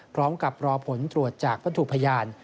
พร้อมกับรอผลตรวจจากวัตถุพยาน